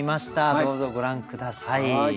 どうぞご覧下さい。